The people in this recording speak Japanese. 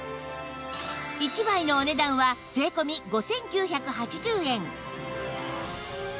１枚のお値段は税込５９８０円